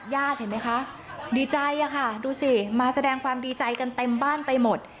ยาดเห็นมั้ยคะดีใจดูสิมาฟั่งดีใจกันเต็มบ้านไปหมด